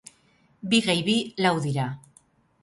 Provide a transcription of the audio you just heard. Bi gehi bi lau dira.